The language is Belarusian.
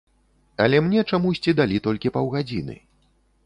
Але мне чамусьці далі толькі паўгадзіны.